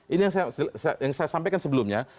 ini yang saya sampaikan sebelumnya